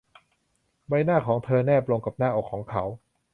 ใบหน้าของเธอแนบลงกับหน้าอกของเขา